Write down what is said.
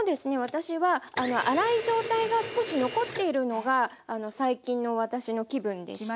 私は粗い状態が少し残っているのが最近の私の気分でして。